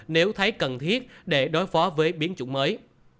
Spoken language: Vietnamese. nếu thấy cần thiết để đối phó với biến chủng mới